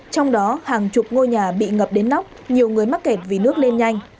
trong đó hàng chục ngôi nhà bị ngập đến nóc nhiều người mắc kẹt vì nước lên nhanh